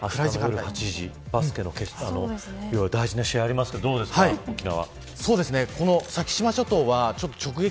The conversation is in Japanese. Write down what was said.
バスケの大事な試合がありそうですけどどうですか、沖縄。